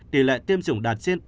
tỷ lệ tiêm chủng đạt trên tám mươi